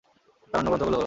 তার অন্য গ্রন্থগুলো হলো-